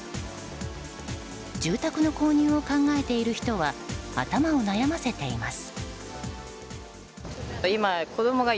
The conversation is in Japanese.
住宅の購入を考えている人は頭を悩ませています。